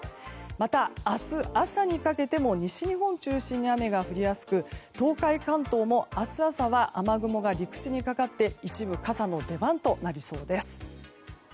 また明日朝にかけても西日本中心に雨が降りやすく東海・関東も明日朝は雨雲が陸地にかかって一部、傘の出番となりそうです。